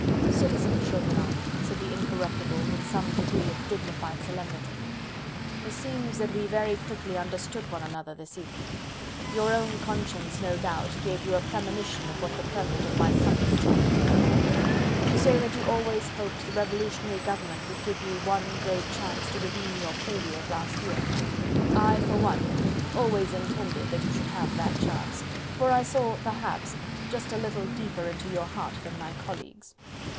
"Citizen Chauvelin," said the Incorruptible, with some degree of dignified solemnity, "meseems that we very quickly understood one another this evening. Your own conscience, no doubt, gave you a premonition of what the purport of my summons to you would be. You say that you always hoped the Revolutionary Government would give you one great chance to redeem your failure of last year. I, for one, always intended that you should have that chance, for I saw, perhaps, just a little deeper into your heart than my colleagues.